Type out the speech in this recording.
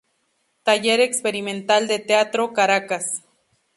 Taller Experimental de Teatro, Caracas.